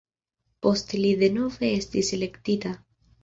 Poste li denove estis elektita.